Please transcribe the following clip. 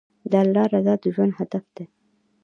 د الله رضا د ژوند هدف دی.